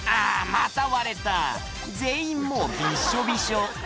また割れた全員もうびっしょびしょ